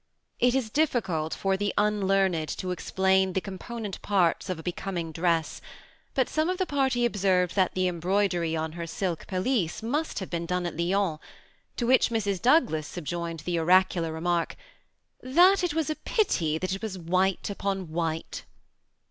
It is difficult for the unlearned to explain the component parts of a becoming dress, but some of the party observed that the embroidery on her silk pelisse must have been done at Lyons, to which Mrs. Douglas subjoined the oracular remark, '^ that it was a pity that it was white upon white."